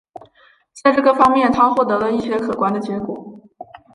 在这个方面他获得了一些可观的结果。